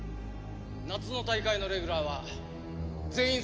夏の大会のレギュラーは全員３年でいく。